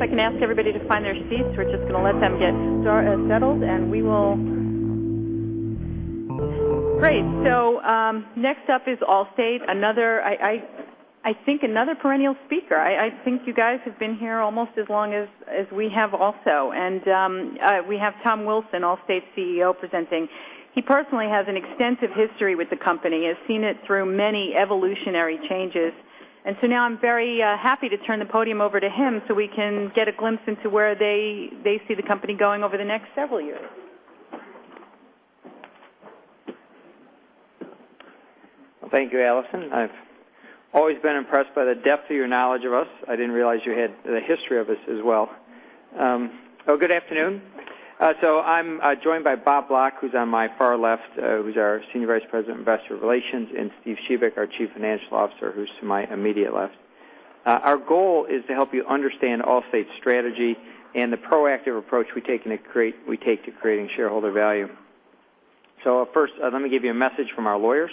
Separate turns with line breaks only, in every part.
If I can ask everybody to find their seats. We're just going to let them get settled, and we will. Great. Next up is Allstate, I think another perennial speaker. I think you guys have been here almost as long as we have also. We have Tom Wilson, Allstate's CEO, presenting. He personally has an extensive history with the company, has seen it through many evolutionary changes. Now I'm very happy to turn the podium over to him so we can get a glimpse into where they see the company going over the next several years.
Thank you, Allison. I've always been impressed by the depth of your knowledge of us. I didn't realize you had the history of us as well. Good afternoon. I'm joined by Bob Block, who's on my far left, who's our Senior Vice President of Investor Relations, and Steven Shebik, our Chief Financial Officer, who's to my immediate left. Our goal is to help you understand Allstate's strategy and the proactive approach we take to creating shareholder value. First, let me give you a message from our lawyers.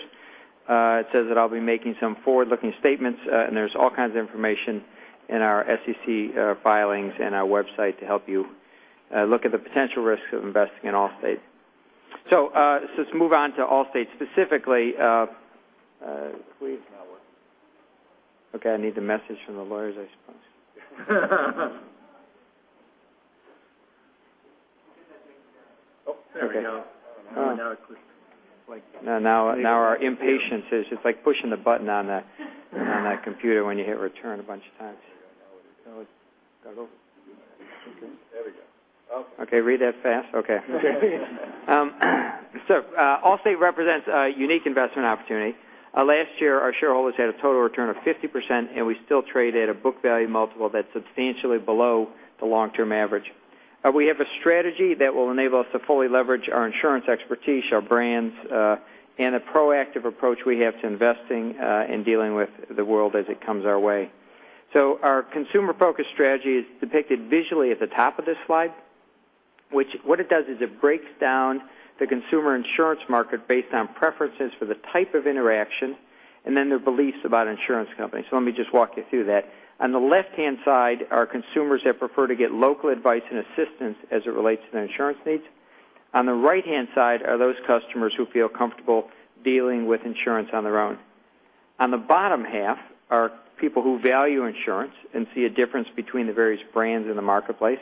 It says that I'll be making some forward-looking statements, there's all kinds of information in our SEC filings and our website to help you look at the potential risks of investing in Allstate. Let's move on to Allstate specifically. Please. Now what? Okay, I need the message from the lawyers, I suppose. Get that thing down. There we go. Okay. Now it clicked. Now our impatience is just like pushing the button on that computer when you hit return a bunch of times. There we go. Okay. Okay, read that fast? Okay. Allstate represents a unique investment opportunity. Last year, our shareholders had a total return of 50%, and we still trade at a book value multiple that's substantially below the long-term average. We have a strategy that will enable us to fully leverage our insurance expertise, our brands, and the proactive approach we have to investing in dealing with the world as it comes our way. Our consumer-focused strategy is depicted visually at the top of this slide. What it does is it breaks down the consumer insurance market based on preferences for the type of interaction, and then their beliefs about insurance companies. Let me just walk you through that. On the left-hand side are consumers that prefer to get local advice and assistance as it relates to their insurance needs. On the right-hand side are those customers who feel comfortable dealing with insurance on their own. On the bottom half are people who value insurance and see a difference between the various brands in the marketplace.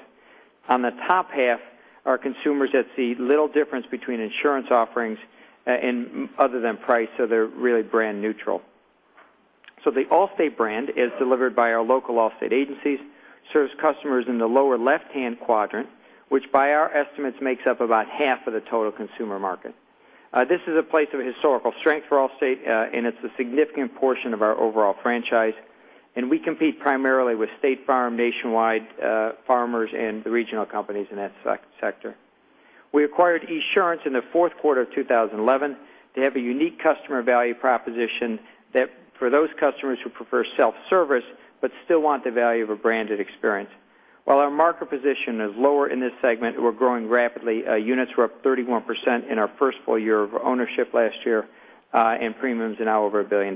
On the top half are consumers that see little difference between insurance offerings other than price, they're really brand neutral. The Allstate brand is delivered by our local Allstate agencies, serves customers in the lower left-hand quadrant, which by our estimates makes up about half of the total consumer market. This is a place of historical strength for Allstate, and it's a significant portion of our overall franchise, and we compete primarily with State Farm, Nationwide, Farmers, and the regional companies in that sector. We acquired Esurance in the fourth quarter of 2011. They have a unique customer value proposition that for those customers who prefer self-service but still want the value of a branded experience. While our market position is lower in this segment, we're growing rapidly. Units were up 31% in our first full year of ownership last year, in premiums of now over $1 billion.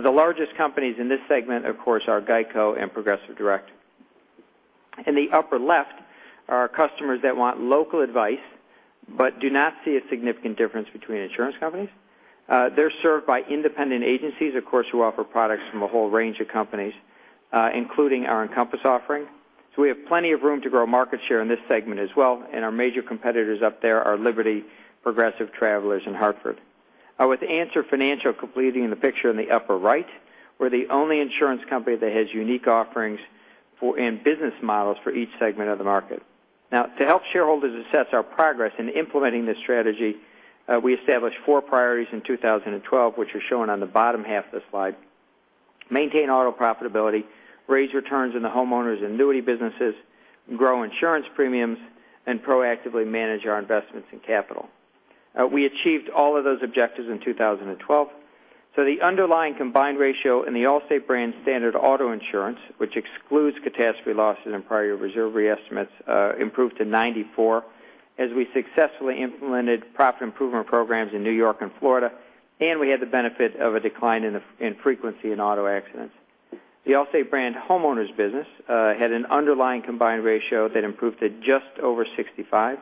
The largest companies in this segment, of course, are GEICO and Progressive Direct. In the upper left are customers that want local advice but do not see a significant difference between insurance companies. They're served by independent agencies, of course, who offer products from a whole range of companies, including our Encompass offering. We have plenty of room to grow market share in this segment as well, and our major competitors up there are Liberty, Progressive, Travelers, and Hartford. With Answer Financial completing the picture in the upper right, we're the only insurance company that has unique offerings and business models for each segment of the market. To help shareholders assess our progress in implementing this strategy, we established four priorities in 2012, which are shown on the bottom half of the slide. Maintain auto profitability, raise returns in the homeowners' annuity businesses, grow insurance premiums, and proactively manage our investments in capital. We achieved all of those objectives in 2012. The underlying combined ratio in the Allstate brand standard auto insurance, which excludes catastrophe losses and prior year reserve re-estimates, improved to 94 as we successfully implemented profit improvement programs in New York and Florida, and we had the benefit of a decline in frequency in auto accidents. The Allstate brand homeowners business had an underlying combined ratio that improved to just over 65,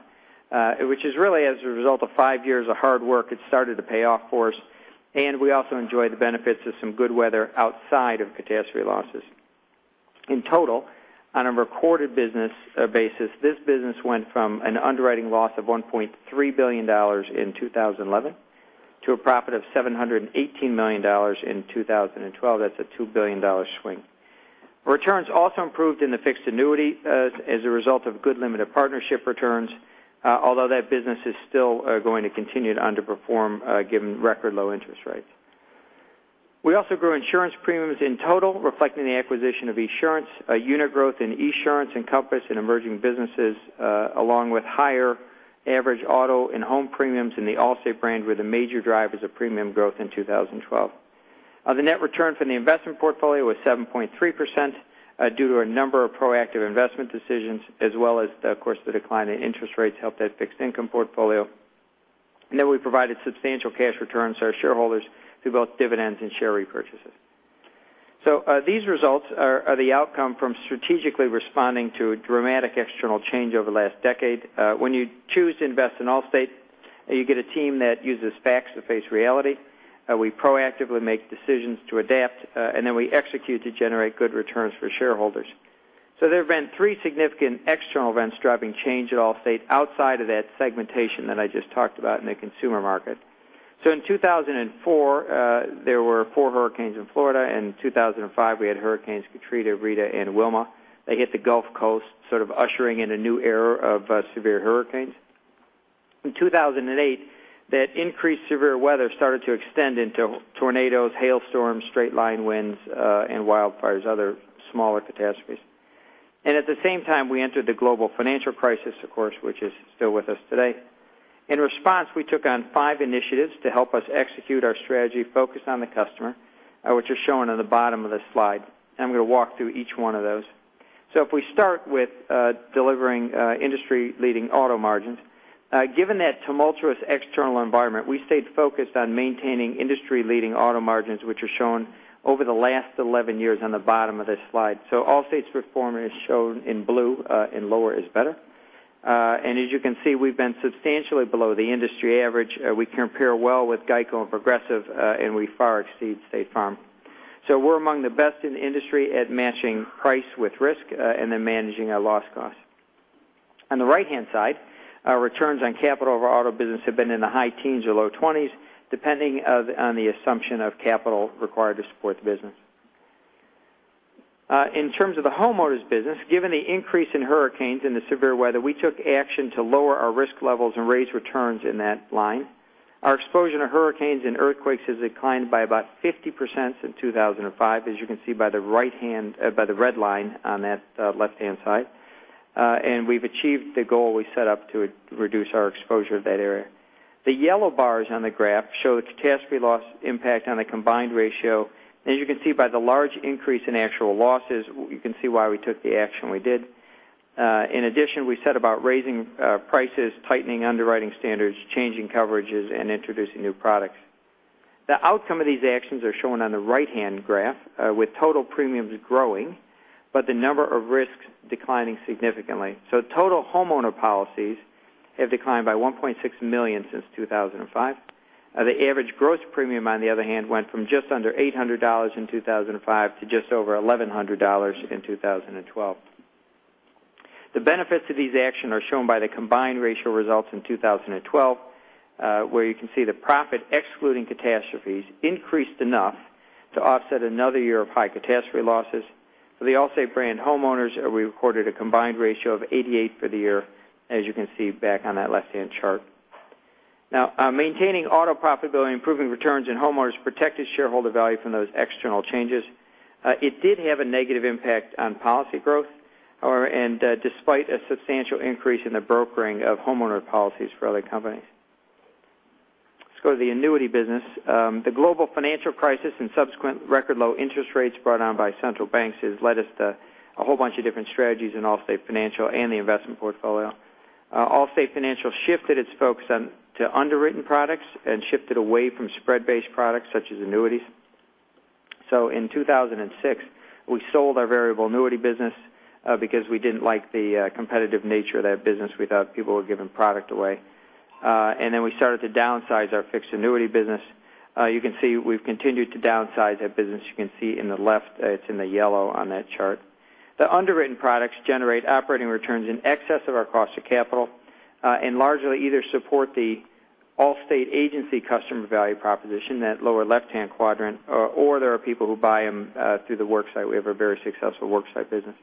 which is really as a result of five years of hard work. It started to pay off for us, and we also enjoyed the benefits of some good weather outside of catastrophe losses. In total, on a recorded business basis, this business went from an underwriting loss of $1.3 billion in 2011 to a profit of $718 million in 2012. That's a $2 billion swing. Returns also improved in the fixed annuity as a result of good limited partnership returns, although that business is still going to continue to underperform given record low interest rates. We also grew insurance premiums in total, reflecting the acquisition of Esurance, unit growth in Esurance, Encompass, and emerging businesses, along with higher average auto and home premiums in the Allstate brand were the major drivers of premium growth in 2012. The net return from the investment portfolio was 7.3% due to a number of proactive investment decisions as well as, of course, the decline in interest rates helped that fixed income portfolio. We provided substantial cash returns to our shareholders through both dividends and share repurchases. These results are the outcome from strategically responding to a dramatic external change over the last decade. When you choose to invest in Allstate, you get a team that uses facts to face reality. We proactively make decisions to adapt, and then we execute to generate good returns for shareholders. There have been three significant external events driving change at Allstate outside of that segmentation that I just talked about in the consumer market. In 2004, there were four hurricanes in Florida. In 2005, we had hurricanes Katrina, Rita, and Wilma that hit the Gulf Coast, sort of ushering in a new era of severe hurricanes. In 2008, that increased severe weather started to extend into tornadoes, hailstorms, straight-line winds, and wildfires, other smaller catastrophes. At the same time, we entered the global financial crisis, of course, which is still with us today. In response, we took on five initiatives to help us execute our strategy focused on the customer, which are shown on the bottom of this slide. I'm going to walk through each one of those. If we start with delivering industry-leading auto margins. Given that tumultuous external environment, we stayed focused on maintaining industry-leading auto margins, which are shown over the last 11 years on the bottom of this slide. Allstate's performance is shown in blue, and lower is better. As you can see, we've been substantially below the industry average. We compare well with GEICO and Progressive, and we far exceed State Farm. We're among the best in the industry at matching price with risk and then managing our loss cost. On the right-hand side, our returns on capital of our auto business have been in the high teens or low twenties, depending on the assumption of capital required to support the business. In terms of the homeowners business, given the increase in hurricanes and the severe weather, we took action to lower our risk levels and raise returns in that line. Our exposure to hurricanes and earthquakes has declined by about 50% since 2005, as you can see by the red line on that left-hand side. We've achieved the goal we set up to reduce our exposure to that area. The yellow bars on the graph show catastrophe loss impact on a combined ratio. As you can see by the large increase in actual losses, you can see why we took the action we did. In addition, we set about raising prices, tightening underwriting standards, changing coverages, and introducing new products. The outcome of these actions are shown on the right-hand graph with total premiums growing, but the number of risks declining significantly. Total homeowner policies have declined by 1.6 million since 2005. The average gross premium, on the other hand, went from just under $800 in 2005 to just over $1,100 in 2012. The benefits of these action are shown by the combined ratio results in 2012, where you can see the profit excluding catastrophes increased enough to offset another year of high catastrophe losses. For the Allstate brand homeowners, we recorded a combined ratio of 88 for the year, as you can see back on that left-hand chart. Maintaining auto profitability, improving returns in homeowners protected shareholder value from those external changes. It did have a negative impact on policy growth, and despite a substantial increase in the brokering of homeowner policies for other companies. Let's go to the annuity business. The global financial crisis and subsequent record low interest rates brought on by central banks has led us to a whole bunch of different strategies in Allstate Financial and the investment portfolio. Allstate Financial shifted its focus to underwritten products and shifted away from spread-based products such as annuities. In 2006, we sold our variable annuity business because we didn't like the competitive nature of that business. We thought people were giving product away. Then we started to downsize our fixed annuity business. You can see we've continued to downsize that business. You can see in the left, it's in the yellow on that chart. The underwritten products generate operating returns in excess of our cost of capital, and largely either support the Allstate agency customer value proposition, that lower left-hand quadrant, or there are people who buy them through the worksite. We have a very successful worksite business.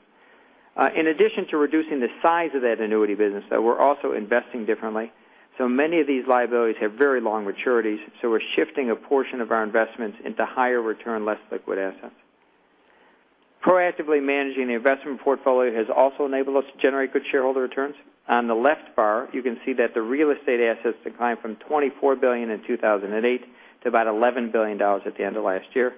In addition to reducing the size of that annuity business, though, we're also investing differently. Many of these liabilities have very long maturities, so we're shifting a portion of our investments into higher return, less liquid assets. Proactively managing the investment portfolio has also enabled us to generate good shareholder returns. On the left bar, you can see that the real estate assets declined from $24 billion in 2008 to about $11 billion at the end of last year.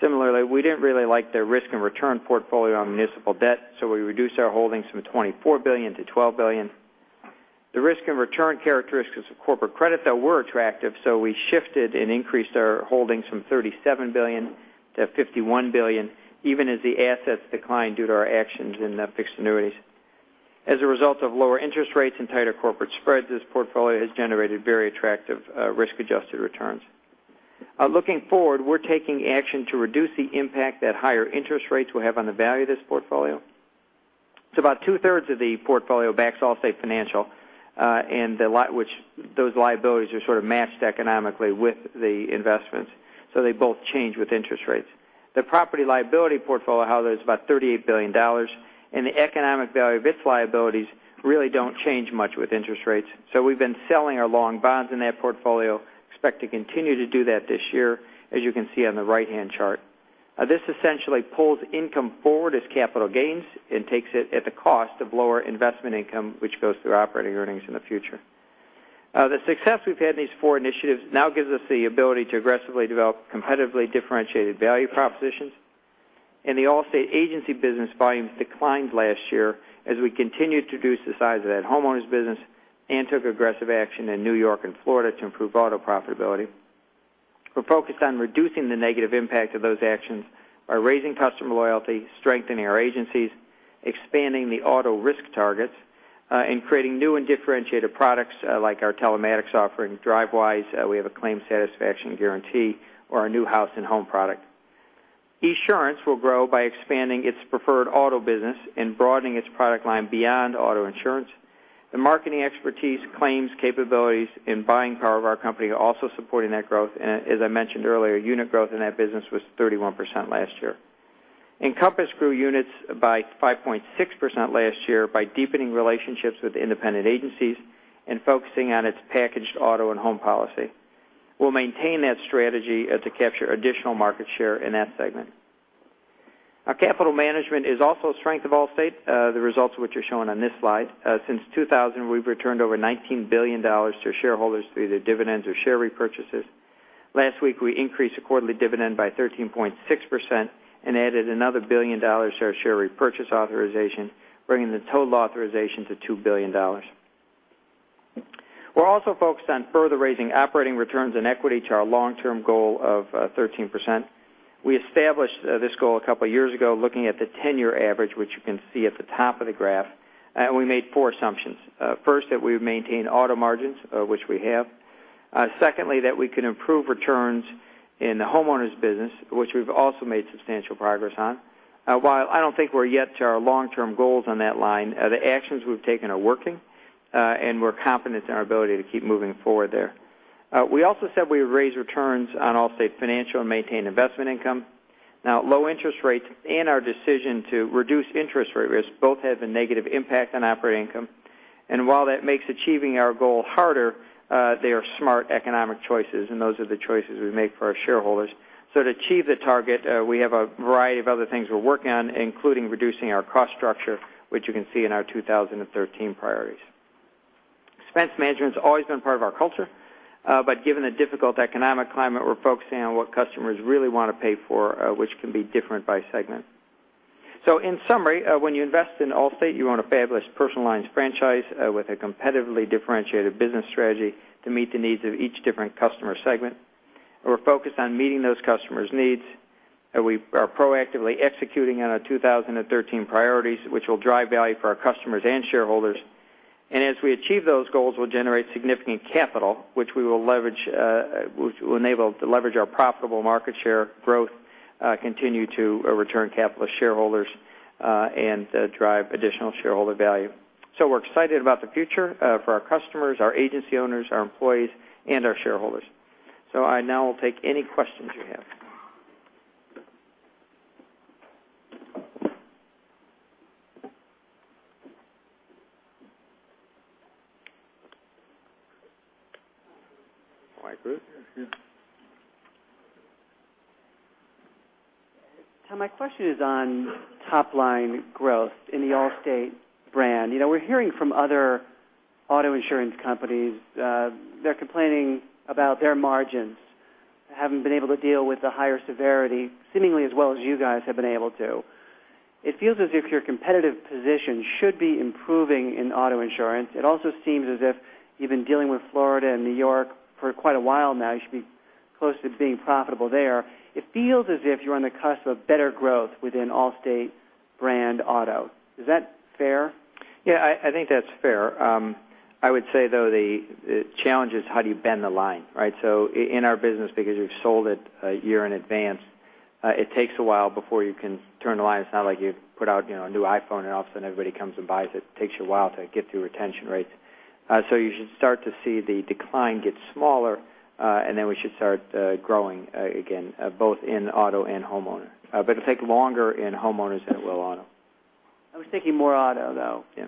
Similarly, we didn't really like their risk and return portfolio on municipal debt, so we reduced our holdings from $24 billion to $12 billion. The risk and return characteristics of corporate credit, though, were attractive, so we shifted and increased our holdings from $37 billion to $51 billion, even as the assets declined due to our actions in the fixed annuities. As a result of lower interest rates and tighter corporate spreads, this portfolio has generated very attractive risk-adjusted returns. Looking forward, we're taking action to reduce the impact that higher interest rates will have on the value of this portfolio. About two-thirds of the portfolio backs Allstate Financial, and those liabilities are sort of matched economically with the investments. They both change with interest rates. The property liability portfolio, however, is about $38 billion, and the economic value of its liabilities really don't change much with interest rates. We've been selling our long bonds in that portfolio, expect to continue to do that this year, as you can see on the right-hand chart. This essentially pulls income forward as capital gains and takes it at the cost of lower investment income, which goes through operating earnings in the future. The success we've had in these four initiatives now gives us the ability to aggressively develop competitively differentiated value propositions. The Allstate agency business volumes declined last year as we continued to reduce the size of that homeowners business and took aggressive action in New York and Florida to improve auto profitability. We're focused on reducing the negative impact of those actions by raising customer loyalty, strengthening our agencies, expanding the auto risk targets, and creating new and differentiated products, like our telematics offering, Drivewise. We have a Claim Satisfaction Guarantee or our new House & Home product. Esurance will grow by expanding its preferred auto business and broadening its product line beyond auto insurance. The marketing expertise, claims capabilities, and buying power of our company are also supporting that growth. As I mentioned earlier, unit growth in that business was 31% last year. Encompass grew units by 5.6% last year by deepening relationships with independent agencies and focusing on its packaged auto and home policy. We'll maintain that strategy to capture additional market share in that segment. Our capital management is also a strength of Allstate, the results of which are shown on this slide. Since 2000, we've returned over $19 billion to shareholders through either dividends or share repurchases. Last week, we increased the quarterly dividend by 13.6% and added another $1 billion to our share repurchase authorization, bringing the total authorization to $2 billion. We're also focused on further raising operating return on equity to our long-term goal of 13%. We established this goal a couple of years ago looking at the 10-year average, which you can see at the top of the graph. We made four assumptions. First, that we would maintain auto margins, which we have. Secondly, that we can improve returns in the homeowners business, which we've also made substantial progress on. While I don't think we're yet to our long-term goals on that line, the actions we've taken are working, and we're confident in our ability to keep moving forward there. We also said we would raise returns on Allstate Financial and maintain investment income. Low interest rates and our decision to reduce interest rate risk both have a negative impact on operating income. While that makes achieving our goal harder, they are smart economic choices, and those are the choices we make for our shareholders. To achieve the target, we have a variety of other things we're working on, including reducing our cost structure, which you can see in our 2013 priorities. Expense management has always been part of our culture, but given the difficult economic climate, we're focusing on what customers really want to pay for, which can be different by segment. In summary, when you invest in Allstate, you own a fabulous personal lines franchise with a competitively differentiated business strategy to meet the needs of each different customer segment. We're focused on meeting those customers' needs, and we are proactively executing on our 2013 priorities, which will drive value for our customers and shareholders. As we achieve those goals, we'll generate significant capital, which will enable to leverage our profitable market share growth, continue to return capital to shareholders, and drive additional shareholder value. We're excited about the future for our customers, our agency owners, our employees, and our shareholders. I now will take any questions you have. All right, Bruce?
Yeah.
Tom, my question is on top-line growth in the Allstate brand. We're hearing from other auto insurance companies, they're complaining about their margins, haven't been able to deal with the higher severity seemingly as well as you guys have been able to. It feels as if your competitive position should be improving in auto insurance. It also seems as if you've been dealing with Florida and New York for quite a while now. You should be close to being profitable there. It feels as if you're on the cusp of better growth within Allstate brand auto. Is that fair?
I think that's fair. I would say, though, the challenge is how do you bend the line, right? In our business, because we've sold it a year in advance, it takes a while before you can turn the line. It's not like you put out a new iPhone, and all of a sudden everybody comes and buys it. It takes you a while to get through retention rates. You should start to see the decline get smaller, and then we should start growing again, both in auto and homeowner. It'll take longer in homeowners than it will auto.
I was thinking more auto, though.
Yeah.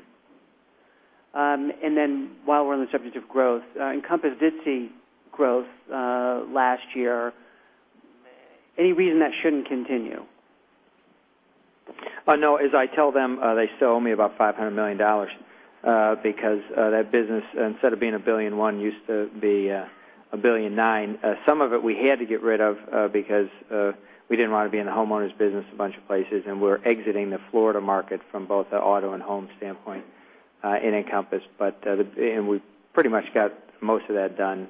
While we're on the subject of growth, Encompass did see growth last year. Any reason that shouldn't continue?
No. As I tell them, they still owe me about $500 million because that business, instead of being $1.1 billion, used to be $1.9 billion. Some of it we had to get rid of because we didn't want to be in the homeowners business a bunch of places, and we're exiting the Florida market from both the auto and home standpoint in Encompass. We've pretty much got most of that done,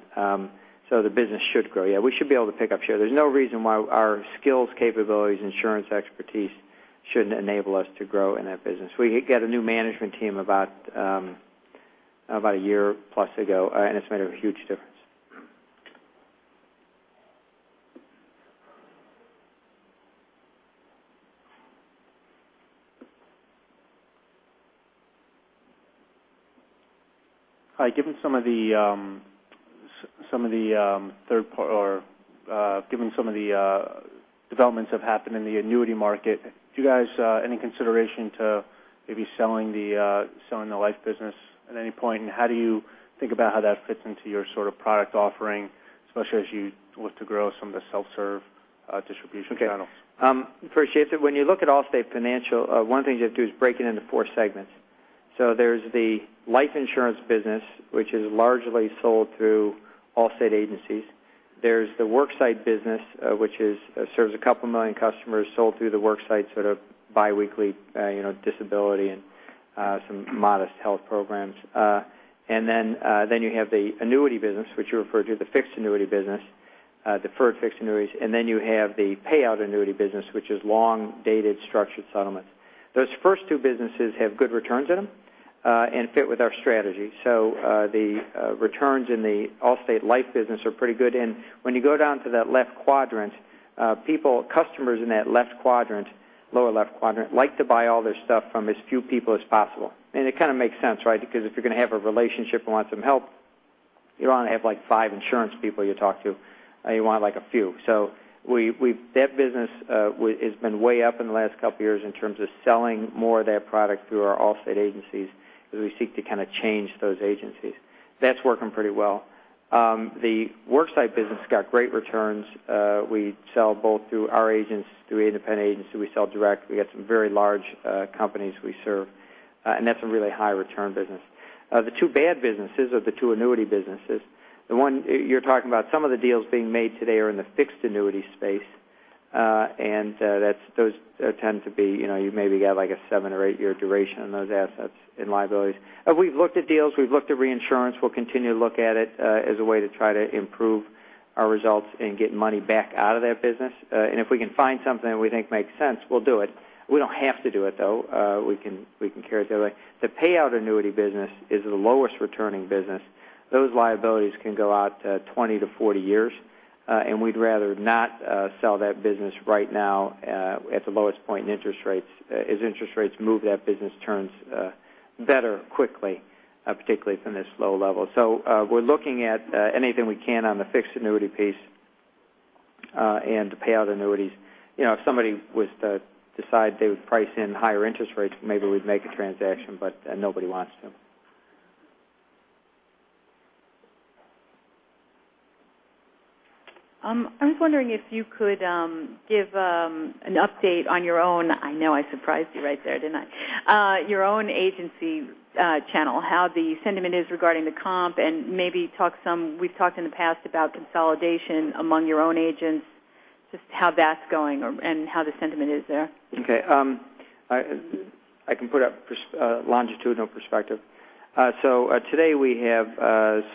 the business should grow. We should be able to pick up share. There's no reason why our skills, capabilities, insurance expertise shouldn't enable us to grow in that business. We got a new management team about a year plus ago, and it's made a huge difference.
Hi. Given some of the developments have happened in the annuity market, do you guys any consideration to maybe selling the life business at any point? How do you think about how that fits into your sort of product offering, especially as you look to grow some of the self-serve distribution channels?
Okay. Appreciate it. When you look at Allstate Financial, one thing you have to do is break it into four segments. There's the life insurance business, which is largely sold through Allstate agencies. There's the worksite business, which serves a couple million customers sold through the worksite, sort of biweekly, disability and some modest health programs. You have the annuity business, which you referred to, the fixed annuity business, deferred fixed annuities. You have the payout annuity business, which is long-dated structured settlements. Those first two businesses have good returns in them and fit with our strategy. The returns in the Allstate life business are pretty good. When you go down to that left quadrant, customers in that lower left quadrant like to buy all their stuff from as few people as possible. It kind of makes sense. If you're going to have a relationship and want some help, you don't want to have five insurance people you talk to. You want a few. That business has been way up in the last couple of years in terms of selling more of that product through our Allstate agencies as we seek to kind of change those agencies. That's working pretty well. The worksite business has got great returns. We sell both through our agents, through independent agents, who we sell direct. We got some very large companies we serve. That's a really high return business. The two bad businesses are the two annuity businesses. The one you're talking about, some of the deals being made today are in the fixed annuity space. You maybe got a seven or eight year duration on those assets and liabilities. We've looked at deals, we've looked at reinsurance. We'll continue to look at it as a way to try to improve our results and get money back out of that business. If we can find something that we think makes sense, we'll do it. We don't have to do it, though. We can carry it that way. The payout annuity business is the lowest returning business. Those liabilities can go out to 20 to 40 years. We'd rather not sell that business right now at the lowest point in interest rates. As interest rates move, that business turns better quickly, particularly from this low level. We're looking at anything we can on the fixed annuity piece and the payout annuities. If somebody was to decide they would price in higher interest rates, maybe we'd make a transaction, but nobody wants to.
I was wondering if you could give an update on your own, I know I surprised you right there, didn't I? Your own agency channel, how the sentiment is regarding the comp. Maybe we've talked in the past about consolidation among your own agents, just how that's going or how the sentiment is there.
Okay. I can put up longitudinal perspective. Today we have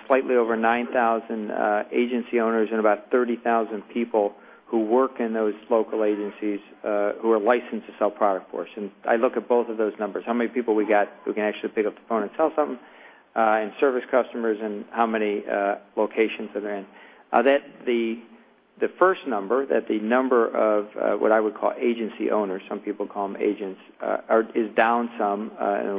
slightly over 9,000 agency owners and about 30,000 people who work in those local agencies who are licensed to sell product for us. I look at both of those numbers, how many people we got who can actually pick up the phone and sell something and service customers, how many locations are therein. The first number, the number of what I would call agency owners, some people call them agents, is down some in the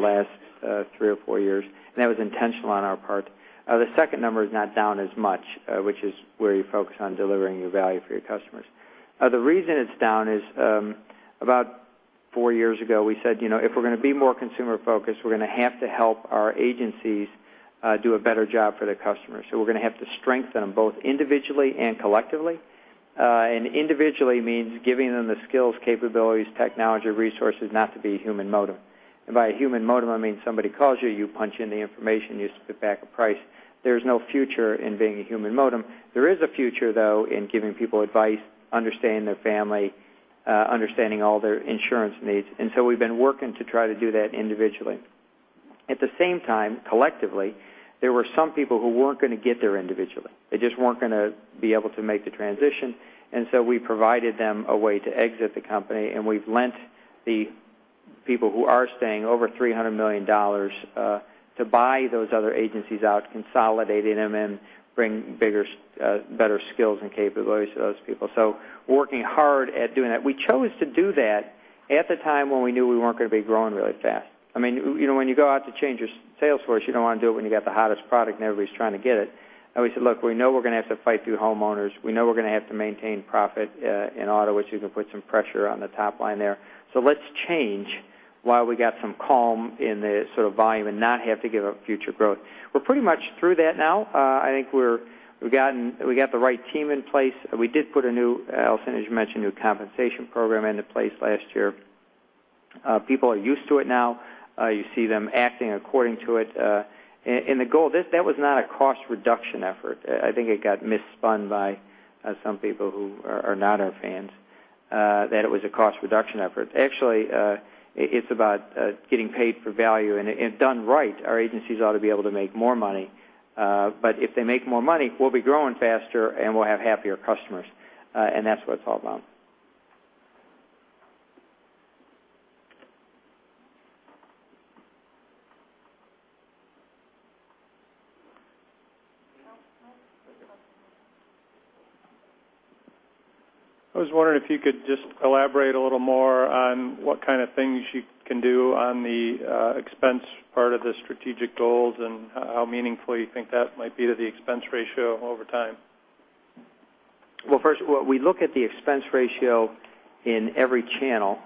last three or four years, that was intentional on our part. The second number is not down as much, which is where you focus on delivering your value for your customers. The reason it's down is about four years ago, we said, if we're going to be more consumer-focused, we're going to have to help our agencies do a better job for their customers. We're going to have to strengthen them both individually and collectively. Individually means giving them the skills, capabilities, technology, resources, not to be a human modem. By a human modem, I mean somebody calls you punch in the information, you spit back a price. There's no future in being a human modem. There is a future, though, in giving people advice, understanding their family, understanding all their insurance needs. We've been working to try to do that individually. At the same time, collectively, there were some people who weren't going to get there individually. They just weren't going to be able to make the transition. We provided them a way to exit the company, we've lent the people who are staying over $300 million to buy those other agencies out, consolidating them in, bring better skills and capabilities to those people. Working hard at doing that. We chose to do that at the time when we knew we weren't going to be growing really fast. When you go out to change your sales force, you don't want to do it when you got the hottest product and everybody's trying to get it. We said, look, we know we're going to have to fight through homeowners. We know we're going to have to maintain profit in auto, which is going to put some pressure on the top line there. Let's change while we got some calm in the volume and not have to give up future growth. We're pretty much through that now. I think we got the right team in place. We did put a new, Allison, as you mentioned, new compensation program into place last year. People are used to it now. You see them acting according to it. That was not a cost reduction effort. I think it got mis-spun by some people who are not our fans that it was a cost reduction effort. Actually, it's about getting paid for value. Done right, our agencies ought to be able to make more money. If they make more money, we'll be growing faster, and we'll have happier customers. That's what it's all about.
I was wondering if you could just elaborate a little more on what kind of things you can do on the expense part of the strategic goals and how meaningful you think that might be to the expense ratio over time.
Well, first, we look at the expense ratio in every channel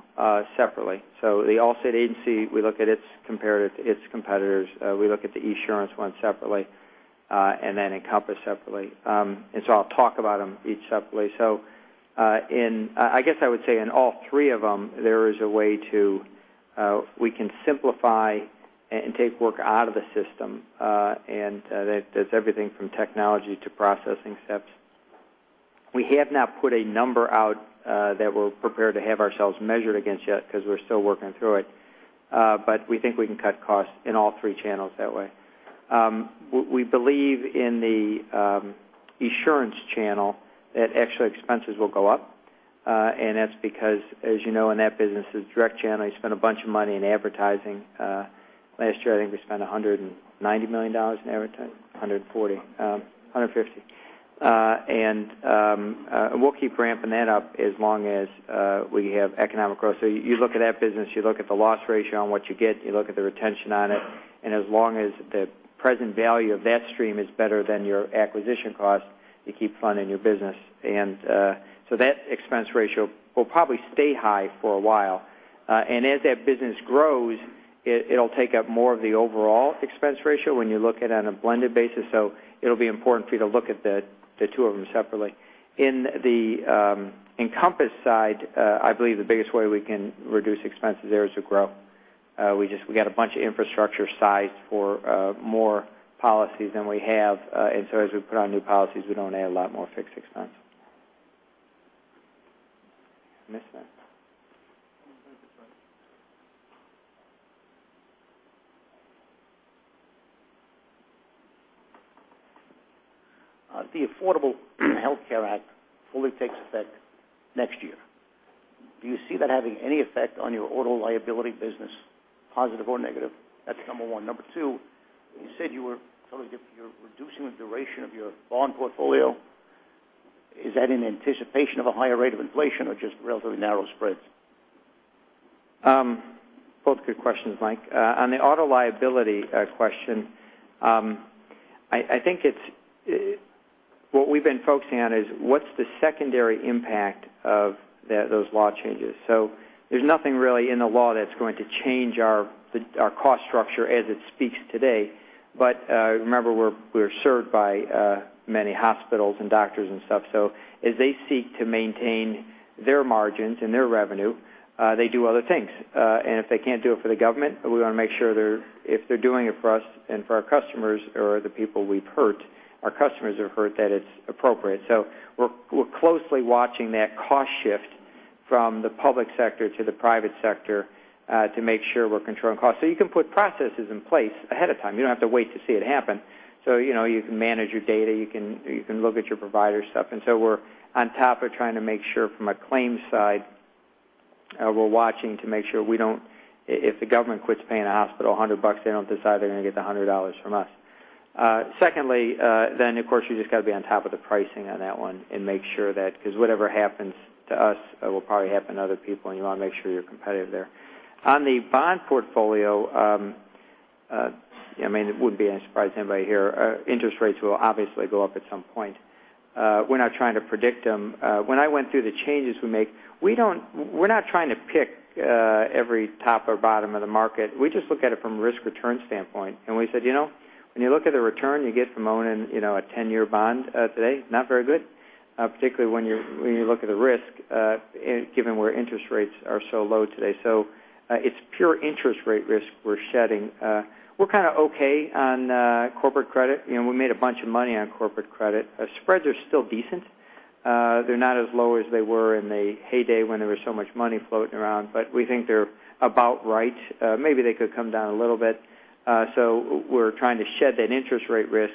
separately. The Allstate agency, we look at its competitors. We look at the Esurance one separately. Then Encompass separately. I'll talk about them each separately. So, I guess I would say in all three of them, there is a way we can simplify and take work out of the system, and that does everything from technology to processing steps. We have not put a number out that we're prepared to have ourselves measured against yet, because we're still working through it. We think we can cut costs in all three channels that way. We believe in the Esurance channel that extra expenses will go up. That's because, as you know, in that business, it's a direct channel. You spend a bunch of money in advertising. Last year, I think we spent $190 million in advertising, $140 million, $150 million. We'll keep ramping that up as long as we have economic growth. You look at that business, you look at the loss ratio on what you get, you look at the retention on it, and as long as the present value of that stream is better than your acquisition cost, you keep funding your business. That expense ratio will probably stay high for a while. As that business grows, it'll take up more of the overall expense ratio when you look at it on a blended basis, so it'll be important for you to look at the two of them separately. In the Encompass side, I believe the biggest way we can reduce expenses there is to grow. We got a bunch of infrastructure sized for more policies than we have. As we put on new policies, we don't add a lot more fixed expense. Did I miss that?
No, I think that's right. The Affordable Care Act fully takes effect next year. Do you see that having any effect on your auto liability business, positive or negative? That's number one. Number two, you said you were reducing the duration of your bond portfolio. Is that in anticipation of a higher rate of inflation or just relatively narrow spreads?
Both good questions, Mike. On the auto liability question, I think what we've been focusing on is what's the secondary impact of those law changes. There's nothing really in the law that's going to change our cost structure as it speaks today. Remember, we're served by many hospitals and doctors and stuff, so as they seek to maintain their margins and their revenue, they do other things. If they can't do it for the government, we want to make sure if they're doing it for us and for our customers or the people we've hurt, our customers have hurt, that it's appropriate. We're closely watching that cost shift from the public sector to the private sector, to make sure we're controlling costs. You can put processes in place ahead of time. You don't have to wait to see it happen. You can manage your data, you can look at your provider stuff. We're on top of trying to make sure from a claims side, we're watching to make sure if the government quits paying a hospital $100, they don't decide they're going to get the $100 from us. You just got to be on top of the pricing on that one and make sure that because whatever happens to us, will probably happen to other people, and you want to make sure you're competitive there. On the bond portfolio, it wouldn't be any surprise to anybody here, interest rates will obviously go up at some point. We're not trying to predict them. When I went through the changes we make, we're not trying to pick every top or bottom of the market. We just look at it from a risk-return standpoint. We said, when you look at the return you get from owning a 10-year bond today, not very good, particularly when you look at the risk, given where interest rates are so low today. It's pure interest rate risk we're shedding. We're kind of okay on corporate credit. We made a bunch of money on corporate credit. Spreads are still decent. They're not as low as they were in the heyday when there was so much money floating around, but we think they're about right. Maybe they could come down a little bit. We're trying to shed that interest rate risk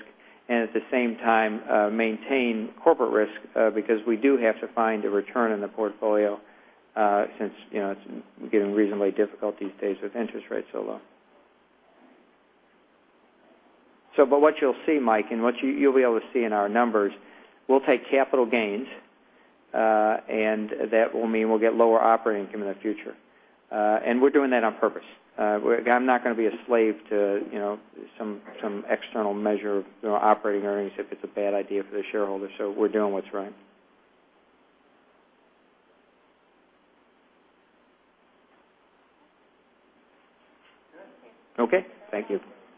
and at the same time, maintain corporate risk, because we do have to find a return on the portfolio, since it's getting reasonably difficult these days with interest rates so low. What you'll see, Mike, and what you'll be able to see in our numbers, we'll take capital gains, and that will mean we'll get lower operating income in the future. We're doing that on purpose. I'm not going to be a slave to some external measure of operating earnings if it's a bad idea for the shareholders. We're doing what's right.
Good.
Okay. Thank you.